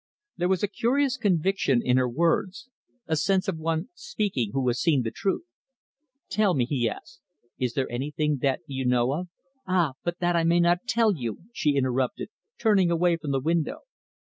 There was a curious conviction in her words, a sense of one speaking who has seen the truth. "Tell me," he asked, "is there anything that you know of " "Ah! but that I may not tell you," she interrupted, turning away from the window.